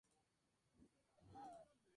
Nació en Lima.